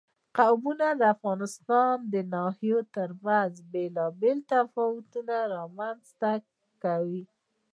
قومونه د افغانستان د ناحیو ترمنځ بېلابېل تفاوتونه رامنځ ته کوي.